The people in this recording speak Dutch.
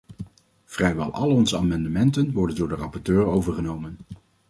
Vrijwel al onze amendementen werden door de rapporteur overgenomen.